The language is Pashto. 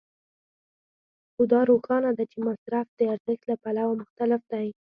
خو دا روښانه ده چې مصرف د ارزښت له پلوه مختلف دی